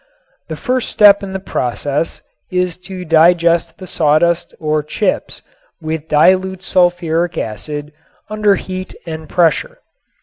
The first step in the process is to digest the sawdust or chips with dilute sulfuric acid under heat and pressure.